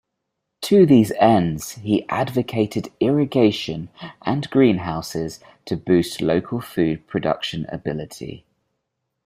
To these ends he advocated irrigation and greenhouses to boost local food production ability.